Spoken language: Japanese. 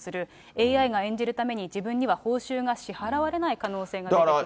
ＡＩが演じるために自分には報酬が支払われない可能性が出てくると。